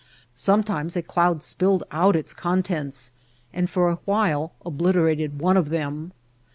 Sometimes a cloud spilled out its contents and for a while obliterated one of them.